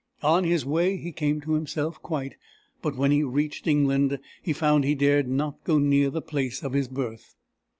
On his way, he came to himself quite, but when he reached England, he found he dared not go near the place of his birth.